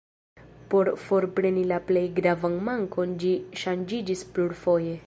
Por forpreni la plej gravan mankon ĝi ŝanĝiĝis plurfoje.